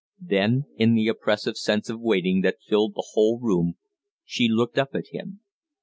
Then, in the oppressive sense of waiting that filled the whole room, she looked up at him.